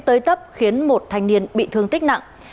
tới tấp khiến một thanh niên bị thương tích nặng